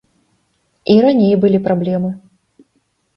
І раней былі праблемы.